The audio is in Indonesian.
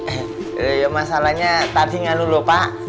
eh eh ya masalahnya tadi ngalul loh pak